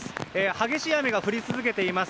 激しい雨が降り続けています。